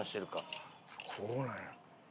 こうなんや。